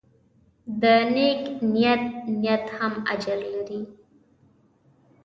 د نیک نیت نیت هم اجر لري.